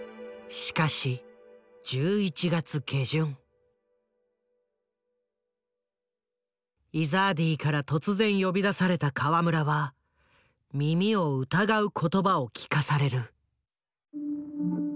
しかしイザーディから突然呼び出された河村は耳を疑う言葉を聞かされる。